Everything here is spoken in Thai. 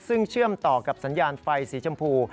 ซึ่งเชื่อมต่อกับสัญญาณไฟสีชมพู